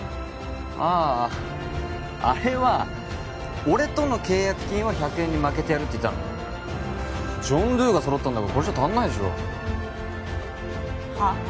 あああれは俺との契約金は１００円にまけてやるって言ったのジョン・ドゥが揃ったんだからこれじゃ足んないでしょはっ？